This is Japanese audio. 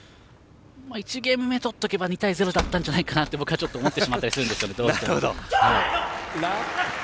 １ゲーム目取っておけば２対０だったんじゃないかなと僕はちょっと思ってしまったりするんですけど。